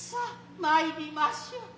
参りましょう。